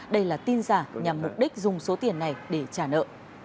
đây là tin giả nhằm mục đích dùng số tiền này để trả nợ